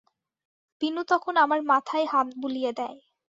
বিনু তখন আমার মাথায় হাত বুলিয়ে দেয়।